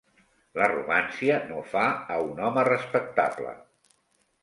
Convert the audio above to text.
L'arrogància no fa a un home respectable.